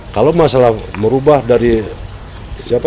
kalau masalah merubah dari siapa